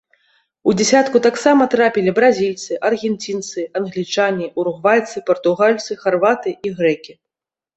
У дзясятку таксама трапілі бразільцы, аргенцінцы, англічане, уругвайцы, партугальцы, харваты і грэкі.